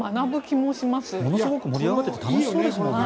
ものすごく盛り上がっていて楽しそうですよね。